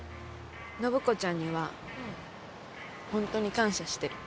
暢子ちゃんには本当に感謝してる。